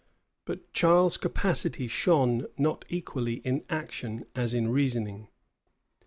[] But Charles's capacity shone not equally in action as in reasoning.